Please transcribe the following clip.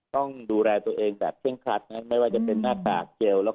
ต้องดูแลตัวเองแบบเพิ่งคัดไม่ว่าจะเป็นหน้ากากเจียวแล้ว